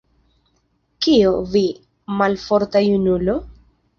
Kio, vi, malforta junulo?